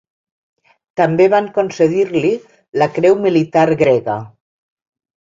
També van concedir-li la Creu Militar Grega.